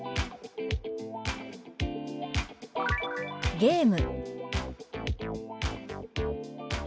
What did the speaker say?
「ゲーム」。